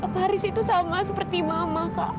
pak haris itu sama seperti mama kak